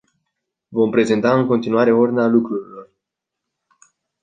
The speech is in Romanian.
Vom prezenta în continuare ordinea lucrărilor.